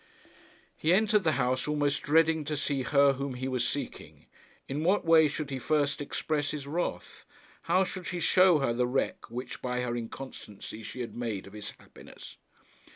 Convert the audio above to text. He entered the house almost dreading to see her whom he was seeking. In what way should he first express his wrath? How should he show her the wreck which by her inconstancy she had made of his happiness?